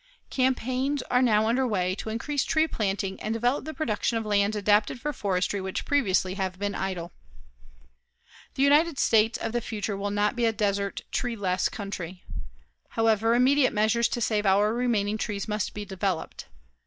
Campaigns are now under way to increase tree planting and develop the production of lands adapted for forestry which previously have been idle. The United States of the future will not be a desert, tree less country. However, immediate measures to save our remaining trees must be developed.